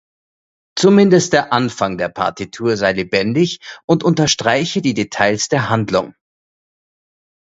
Zumindest der Anfang der Partitur sei lebendig und unterstreiche die Details der Handlung.